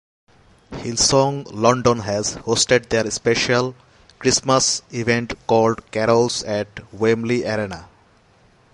Hillsong London has hosted their special Christmas event called Carols at Wembley Arena.